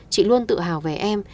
chị luôn tự hào về em